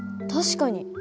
確かに。